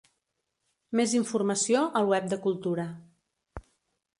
Més informació al web de Cultura.